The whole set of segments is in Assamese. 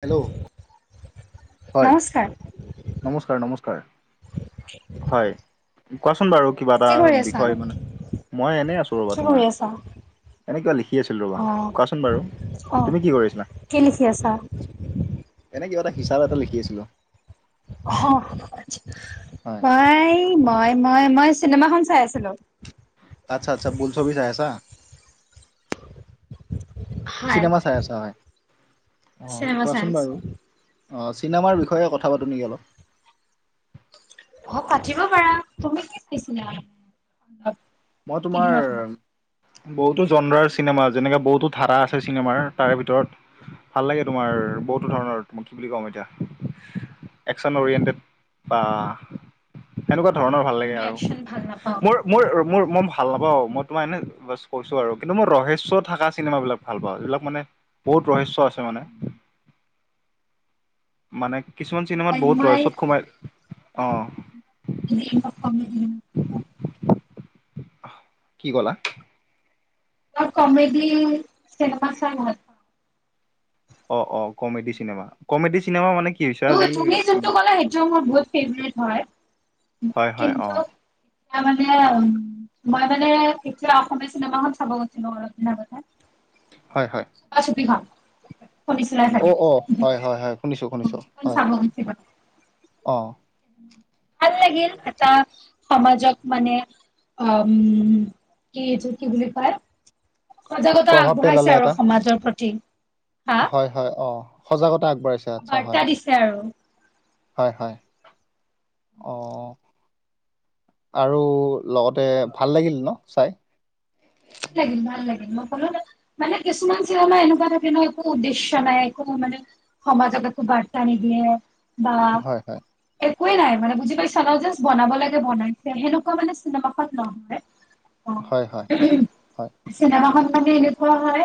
হেল্ল' হয়। নমস্কাৰ নমস্কাৰ নমস্কাৰ। হয়, কোৱাচোন বাৰু? কিবা এটা কি কৰি আছা বিষয় মানে, মই এনেই আছো ৰ'বা কি কৰি তোমাৰ আছা এনে কিবা লিখি আছিলো ৰ'বা, অ কোৱাচোন বাৰু অ তুমি কি কৰি আছিলা? কি লিখি আছা? এনে কিবা এটা হিচাপ এটা লিখি আছিলো অ আটচা, হয়। মই মই মই মই চিনেমাখন চাই আছিলো। আতচ্ছা আতচ্ছ বোলছবি চাই আছা? হয় চিনেমা চাই আছা হয়, অহ চিনেমা চাই কোৱাচোন আছা বাৰু? অঁ, চিনেমাৰ বিষয়ে কথা পাতোঁ নেকি অলপ? অ, পাতিব পাৰা, তুমি কি চাইছিলা। মই তোমাৰ কেইদিনত মান বহুতো জন্দ্ৰাৰ চিনেমা যেনেকাে বহুতো ধাৰা আছে চিনেমাৰ তাৰে ভিতৰত ভাল লাগে তোমাৰ বহুতো ধৰণৰ কি বুলি কম এতিয়া একচন অৰিয়েণ্টেড। বা এনেকুৱা ধৰণৰ মই ভাল লাগে কিন্তু আৰু একচন ভাল নাপাওঁ মোৰ -মোৰ মোৰ মই ভাল নাপাওঁ মই তোমাৰ এনে জাষ্ট কৈছো আৰু কিন্তু মই ৰহেশ্য থকা চিনেমাবিলাক ভাল পাওঁ। যিবিলাক মানে বহুত ৰহস্য আছে মানে। মানে কিছুমান চিনেমাত মই বহুত মই ৰহস্যত সোমাই অঁ ক। [unintelligible] কি ক'লা? অ কমেড চিনেমা চাই ভাল পা অ, অ কমেডি চিনেমা, কমেডি চিনেমা মানে কি? হৈছে ই আজিকালি তুমি যোনটো ক'লা সেইটো মোৰ বহুত ফেভৰেট হয় হয় হয় অ কিন্তু তাৰ মানে উম মই মানে এতিয়া অসমীয়া চিনেমাখন চাব গৈছিলো অলপ দিনৰ আগতে হয়- হয় চুপা চুপি খন অ, অ, হয়- হয় শুনিছো শুনিছো। প চাবি [unintelligible] অঁ ভাল লাগিল এটা সমাজক মানে অ, উম, কি এইটো কি বুলি কয় সজাগতা প্ৰভাৱ পেলালে আগবঢ়াইছে আৰু এটা সমাজৰ প্ৰতি, হা? হয় হয় অ, সজাগতা আগবঢ়াইছে আচ্ছা হয় বাৰ্তা দিছে আৰু হয়- হয়, অঁ অ। আৰু লগতে ভাল লাগিল ন চাই ভাল লাগিল- ভাল লাগিল মই কলো মানে কিছুমান চিনেমা এনেকুৱা থাকে ন একো উদ্দেশ্য নাই একো মানে সমাজক একো বাৰ্তা নিদিয়ে বা হয় হয় একোৱেই নাই মানে বুজি পাইছা ন? জাষ্ট বনাব লাগে বনাইছে, সেনেকুৱা মানে চিনেমাখন নহয় অ হয়-হয়। চিনেমাখন মানে এনেকুৱা হয়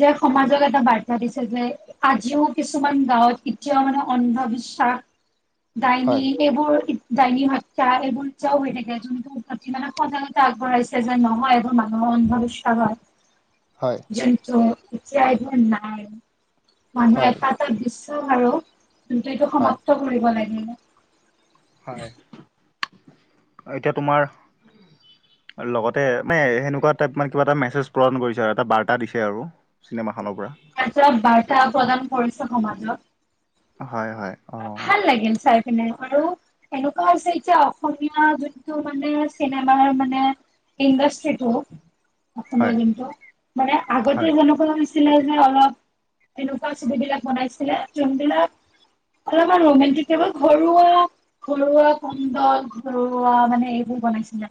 যে সমাজক এটা বাৰ্তা দিছে যে আজিও কিছুমান গাঁৱত এতিয়াও মানে অন্ধবিশ্বাস, হয় ডাইনী এইবোৰ ডাইনী হত্যা এইবোৰ এতিয়াও হৈ থাকে, যোনটো উত্পত্তি মানে সজাগতা আগবঢ়াইছে যে নহয় এইবোৰ মানুহৰ অন্ধবিশ্বাস হয় হয়। পৰন্ত এতিয়া এইবোৰ নাই মানুহ হয় এটা এটা দৃশ্য আৰু গোটেতো হয়। সমাপ্ত কৰিব লাগে। হয়। এতিয়া তোমাৰ লগতে মানে সেনেকুৱা টাইপ মানে কিবা এটা মেছেজ প্ৰদান কৰিছে আৰু এটা বাৰ্তা দিছে আৰু চিনেমা খনৰ পৰা বাৰ্তা প্ৰদান কৰিছে। সমাজত হয় হয়। অ মোৰ ভাল লাগিল চাই আৰু এনেকুৱা হৈছে, এতিয়া অসমীয়া যোনটো মানে চিনেমাৰ মানে ইণ্ডাষ্ট্ৰিটো, হয় অসমৰ যোনটো মানে, হয় আগতে যেনেকুৱা হৈছিলে যে অলপ এনেকুৱা ছবিবিলাক বনাইছিলে, যোনবিলাক অলপমান ৰোমাণ্টিক টাইপত ঘৰুৱা ঘৰুৱা কমডল, ঘৰুৱা মানে এইবোৰ বনাইছিলে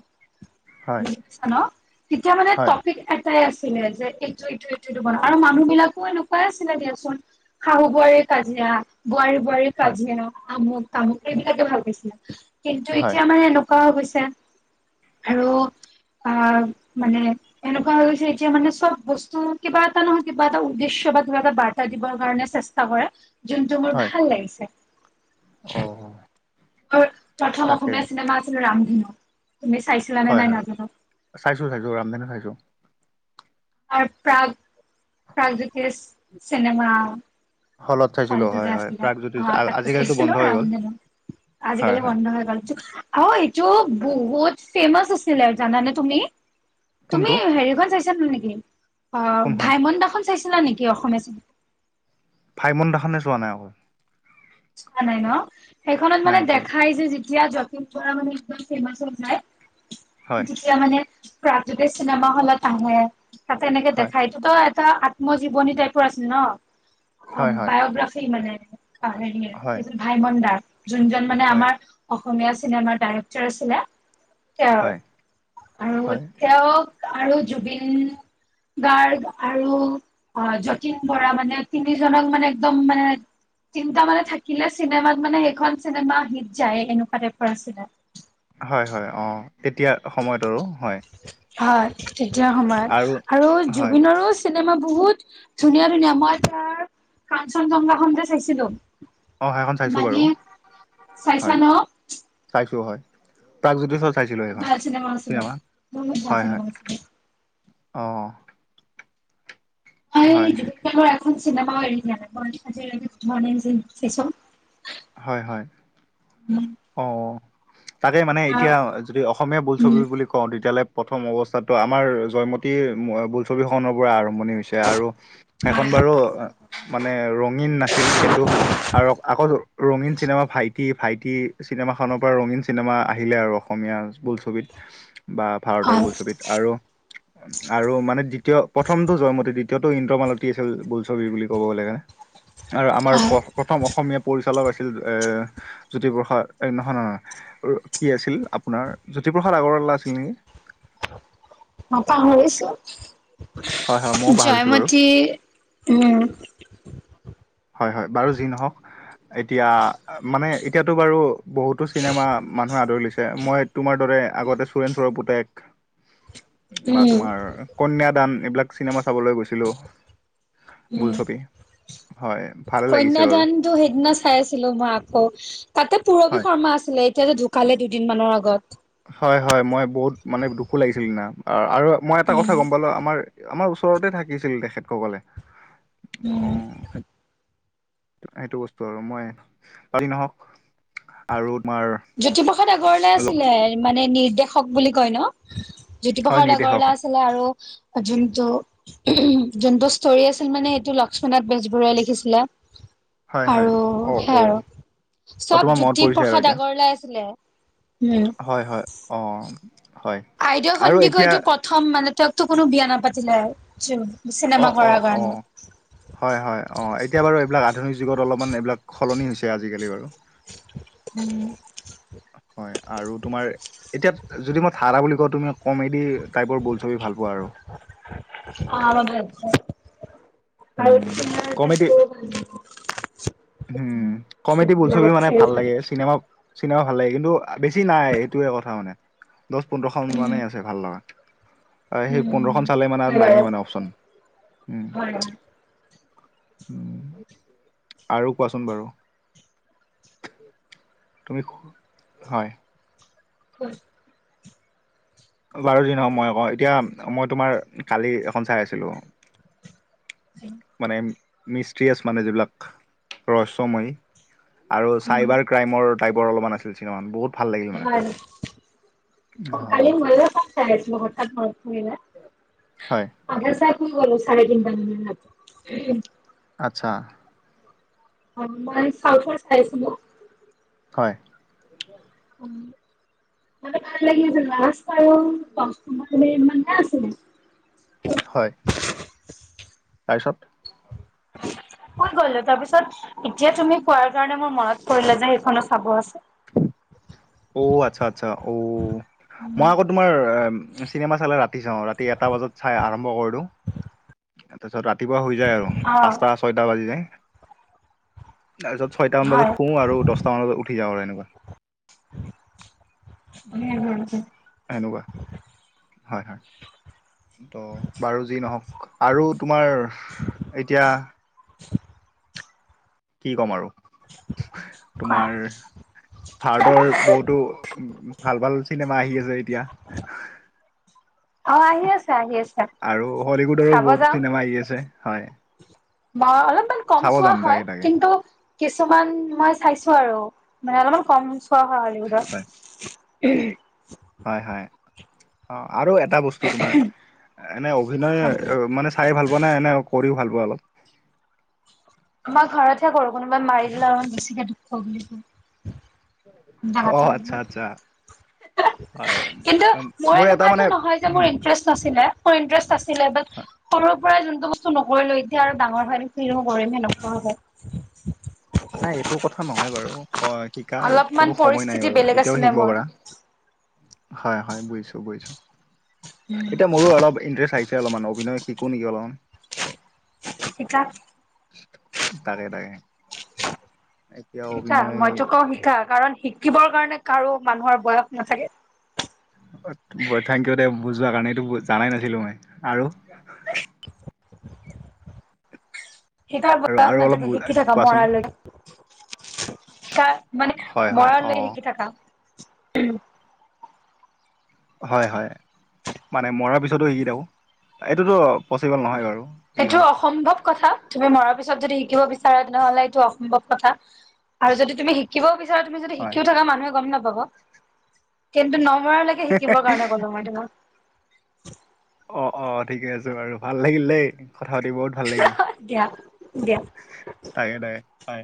হয় বুজিছা নহ, তেতিয়া মানে হয় এটাই আছিলে, যে এইটো এইটো এইটো এইটো বন আৰু মানুহ বিলাকো এনেকুৱাই আছিলে দিয়াচোন। শাহু বোৱাৰীৰ কাজিয়া, বোৱাৰীৰ বোৱাৰীৰ হয় কাজিয়া, আমুক তামুক এইবিলাকে ভাল পাইছিল। কিন্তু হয় এতিয়া মানে কোৱা গৈছে, আৰু আহ, মানে এনেকুৱা হৈ গৈছে এতিয়া মানে চব বস্তু কিবা এটা নহয় কিবা এটা উদ্দেশ্য বা কিবা এটা বাৰ্তা দিবৰ কাৰণে চেষ্টা চেষ্টা কৰে, যোনটো মোৰ ভাল লাগিছে। অহ মোৰ প্ৰথম অসমীয়া চিনেমা আছিল ৰামধেনু। তুমি চাইছিলানে হয় নাই হয় নাজানোঁ। চাইছো চাইছো, ৰামধেনো চাইছোঁ। আৰু প্ৰাগ প্ৰাগজ্যোতিষ চিনেমা হলত অহ, চাইছিলো যে হয় হয় আছিলে প্ৰাগজ্যোতি অ তাত আজিকালিতো চাইছিলো বন্ধ হৈ গ'ল ৰামধেনু। হয় আজিকালি হয় বন্ধ হৈ গল। অ এইটো বহুত ফেমাচ আছিলে, জানানে তুমি তুমি কোনটো হেৰিখন চাইছা নেকি অ কোনখন ভাইমন দা খন চাইছিলা নেকি অসমীয়া চিনেমা ভাইমন দাখনে চোৱা নাই অহ চোৱা নাই নহ, সেইখনত নাই মানে চোৱা দেখাই যে যিটো তেতিয়া যতীন বৰা মানে একদম ফেমাচ হৈ যায়। হয় যেতিয়া মানে প্ৰাগজ্যোতি চিনেমা খনত আহে তাতে এনেকে হয় দেখাই তহ এটা আত্মজীৱনী টাইপৰ আছিল নহ হয় হয় বায়োগ্ৰাফি মানে হেৰিয়ে হয় সেইজন ভাই মনদা। যোনজন মানে হয় আমাৰ অসমীয়া চিনেমাৰ ডাইৰেক্টৰ আছিলে। তেওঁৰ হয় আৰু হয় তেওঁক আৰু জুবিন গাৰ্গ আৰু অহ যতীন বৰা মানে তিনিজনক মানে একদম মানে তিনটা মানে থাকিলে চিনেমাত মানে সেইখন চিনেমা হিট যায় সেনেকুৱা টাইপৰ আছিলে। হয় হয় অহ, এতিয়া সময়ত আৰু হয়। হয়, তেতিয়া সময়ত আৰু হয় জুবিনৰো চিনেমা বহুত ধুনীয়া ধুনীয়া, মই তাৰ কাঞ্চন জংঘা খন যে চাইছিলো। অ সেইখন চাইছো বাৰু মানে চাইছা নহ চাইছোঁ হয়। প্ৰাগজ্যোতিষৰ চাইছিলোঁ সেইখন ভাল আছিলে চিনেমা। বহুত ভাল হয় চিনেমা হয়। আছিলে অহ। মই হয়। জুবিন এখন চিনেমাও এৰি দিয়া নাই। মই আজি ৰাতি গোদ মৰ্নিং যে লিখিছোঁ হয় হয়। উম অ তাকে মানে হয় এতিয়া যদি অসমীয়া বোলছবি বুলি কওঁ তেতিয়ালৈ প্ৰথম অৱস্থাটো আমাৰ জয়মতী বোলছবিখনৰ পৰা আৰম্ভণি হৈছে আৰু সেইখন বাৰু আ [unintelligible] মানে ৰঙীন নাছিল, কিন্তু আৰু আগৰ ৰঙীন চিনেমা ভাইটি, ভাইটি চিনেমাখনৰ পৰা ৰঙীন চিনেমা আহিলে আৰু অসমীয়া বোলছবিত বা ভাৰতৰ হয় বোলছবিত আৰু আৰু মানে দ্বিতীয় প্ৰথমটো জয়মতী দি দ্বিতীয়টো ইন্দ্ৰমালতী আছিল বোলছবিৰ বুলি ক'ব গ'লে আৰু আমাৰ হয়, প প্ৰথম অসমীয়া পৰিচালক আছিল এ জ্যোতিপ্ৰসাদ এ নহয়, নহয়। কি আছিল আপোনাৰ জ্যোতিপ্ৰসাদ আগৰৱালা আছিল নেকি? অ পাহৰিছো। হয় হয় ময়ো পাহৰিছো বাৰু জয়মতী নে হয়, হয় বাৰু যি নহওক এতিয়া মানে এতিয়াতো বাৰু বহুতো চিনেমা মানুহে আদৰি লৈছে। মই তোমাৰ দৰে আগতে চোৰেণ চুৰৰ পুতেক বা তোমাৰ কন্যাদান এইবিলাক চিনেমা চাবলৈ গৈছিলো। উম বোলছবি। হয়। ভালে লাগিছে বাৰু কন্যাদানটো সেইদিনা চাই আছিলো মই আকৌ। তাতে পূৰবী হয় শৰ্মা আছিলে। এতিয়া যে ঢুকালে দুদিনমানৰ আগত। হয়, হয় মই বহুত মানে দুখো লাগিছিল সিদিনা আৰু মই এটা কথা উম গম পালো আমাৰ আমাৰ ওচৰতে থাকিছিল তেখেত ক'বলে, অ। উম সেইটো বস্তু আৰু মই যি নহওক আৰু তোমাৰ জ্যোতিপ্ৰসাদ আগৰৱালা ল- আছিলে মানে নিৰ্দেশক বুলি কয় ন? হয় জ্যোতিপ্ৰসাদ নিৰ্দেশক আগৰৱালা আ ছিলে আৰু যোনটো যোনটো ষ্টৰী আছিল মানে সেইটো লক্ষ্মীনাথ বেজবৰুৱাই লিখিছিলে। হয় হয় আৰু অ সেয়া অ আৰু। অ চব তোমাৰ মনত পৰিছে আৰু জ্যোতিপ্ৰসাদ আ এতিয়া গৰৱালাই আছিলে। উম। হয়, হয়। অ, হয়। আইদেউ আৰু এতিয়া সন্দিকৈটো প্ৰথম মানে তেওঁকটো কোনো বিয়া নাপাতিলে। [unintelligible] অ, অ, কাৰণে অ। হয়, হয়, অ। এতিয়া বাৰু এইবিলাক আধুনিক যুগত অলপমান এইবিলাক সলনি হৈছে আজি-কালি বাৰু। উম। হয় আৰু তোমাৰ এতিয়া যদি মই ধাৰা বুলি কওঁ তুমি কমেডী টাইপৰ বোলছবি ভাল পোৱা আৰু। অ [unintelligible] উম কমেডি আৰু [unintelligible] উম, কমেডী বোলছবি মানে ভাল লাগে। চিনেমা চিনেমা ভাল লাগে কিন্তু বেছি নাই এইটোৱে কথা মানে। দছ, পোন্ধৰখন মানে আছে। ভাল নহয়। সেই উম হয় পোন্ধৰখন চালে মানে আৰু বাৰু নায়েই মানে অপচন। উম। হয় উ আৰু কোৱাচোন বাৰু। তুমি সো হয়। [unintelligible] বাৰু যি‌ নহক মই কওঁ এতিয়া। মই তোমাৰ কালি এখন চাই আছিলো। মানে মিষ্ট্ৰিয়াছ মানে যিবিলাক ৰহস্যময়। আৰু উম চাইবাৰ ক্ৰাইমৰ টাইপৰ অলপমান আছিল চিনেমাখন। বহুত ভাল লাগিল মানে হয় অ কালি মইয়ো সেইখন চাই আছিলো হঠাৎ মনত পৰিলে। হয়। আধা চাই শুই গ'লো চাৰে তিনটামান বজাত। আচ্ছা। অ মই চাউথৰ চাই আছিলো। হয়। মানে ভাল লাগিল। লাষ্ট টাইম [unintelligible] আছিলে। হয় তাৰপিছত ক'ত গলে তাৰ পিছত এতিয়া তুমি কোৱাৰ কাৰণে মোৰ মনত পৰিলে যে সেইখনো চাব আছে অ আচ্ছা আচ্ছা অ মই আক তোমাৰ চিনেমা চালে ৰাতি চাওঁ ৰাতি এটা বজাত চাই আৰম্ভ কৰি দিও তাৰ পিছত ৰাতিপুৱা হৈ যায় আৰু অ পাঁচটা ছয়টা বাজি যায় তাৰপিছত ছয়টামান হয় বজাত শোওঁ আৰু দহটামান বজাত উঠি যাওঁ আৰু এনেকুৱা হোম হোম হোম এনেকোৱা হয় হয় ত' বাৰু যি নহওক আৰু তোমাৰ এতিয়া কি ক'ম আৰু কোৱা তোমাৰ ভাৰতৰ বহুতো ভাল ভাল চিনেমা আহি আছে এতিয়া অ আহি আছে আহি আছে আৰু হলিউডৰো চাব বহুত যাম চিনেমা আহি আছে হয়। মই অলপমান কম চাব চোৱা যাম হয় তাকে তাকে কিন্তু কিছুমান মই চাইছো আৰু মানে অলপমান কম চোৱা হয় হয় হলিউডত উম হয় হয় অ আৰু এটা বস্তু তোমাৰ এনে অভিনয় মানে চাই ভাল পোৱা নাই এনেই কৰিও ভাল পোৱা অলপ মই ঘৰতহে কৰো কোনোবাই মাৰি দিলে অলমান বেছিকে দুখ পোৱা বুলি ক দা অ তা এব আচ্ছা আচ্ছা হয় কিন্তু উম, মই মোৰ এটা এনেকুৱা মানে টে নহয় যে উম, মোৰ ইন্টাৰেষ্ট নাছিলে মোৰ ইন্টাৰেষ্ট আছিলে বাট হয়। সৰুৰ পৰাই যোনটো বস্তু নকৰিলো এতিয়া আৰু ডাঙৰ হয়নো কি ৰকম কৰিম সেনে কোৱা হব। নাই এইটো কথা নহয় বাৰু হয় শিকাৰ অলপমান কোনো সময় পৰিছিলে নাই বাৰু এতিয়াও শিকিব মোৰ পাৰা হয় হয় বুজিছোঁ বুজিছোঁ এতিয়া মোৰো অলপ ইণ্টাৰেষ্ট আহিছে অলপমান অভিনয় শিকো নেকি অলপমান শিকা তাকে তাকে এতিয়া শিতা অভিনয় মইতো কওঁ শিকা কাৰণ শিকিবৰ কাৰণে কাৰো মানুহৰ বয়স নাথাকে থেংক ইউ দে বুজোৱা কাৰণে এইটো জানাই নাছিলো মই আৰু শিকাৰ আৰু আৰু বয়স অলপ নাথাকে বু- শিকি থাকা কোৱাচোন মৰালৈ কা মানে হয় হয় মৰা অ লৈ শিকি থাকা হয় হয় মানে মৰাৰ পিছতো শিকি থাকো এইটোতো পচিবল নহয় বাৰু যি এইটো নহওক অসম্ভৱ কথা তুমি মৰাৰ পিছত যদি শিকিব বিচাৰা তেনেহ'লে এইটো অসম্ভৱ কথা আৰু যদি তুমি শিক শিকিব বিচাৰা তুমি যদি শিকিও থাকা মানুহে গম নাপাব কিন্তু নমৰা লৈ কে হয় শিকিবৰ কাৰণে কলো মই তোমাক অ অ ঠিকেই আছে বাৰু ভাল লাগিল দেই কথা পাতি বহুত ভাল লাগিল দিয়া দিয়া তাকে তাকে হয়।